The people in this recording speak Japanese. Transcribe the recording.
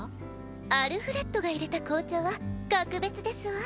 アルフレッドがいれた紅茶は格別ですわ。